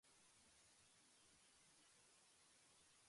留学中、上田君はイギリスに長くいましたが、